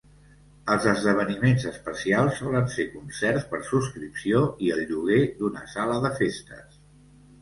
Els esdeveniments especials solen ser concerts per subscripció i el lloguer d'una sala de festes.